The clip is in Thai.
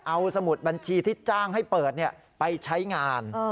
เอาสมุดบัญชีที่จ้างให้เปิดไปใช้งาน